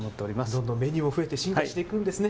どんどんメニューも増えて進化していくんですね。